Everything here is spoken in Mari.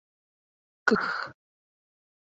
Кх!